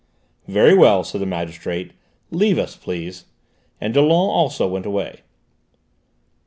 "Very well," said the magistrate. "Leave us, please," and Dollon also went away.